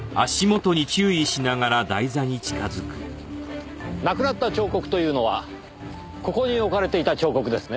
なくなった彫刻というのはここに置かれていた彫刻ですね？